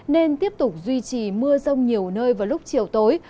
nên tiếp tục duy trì mưa rông nhiều nơi vào lúc chiều tối